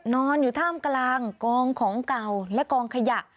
นอนอยู่ท่ามกลางกองของเก่าและกองขยะ